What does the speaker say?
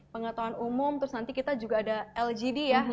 pengetahuan umum terus nanti kita juga ada lgd ya